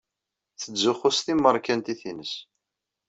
Tettzuxxu s timmeṛkantit-nnes.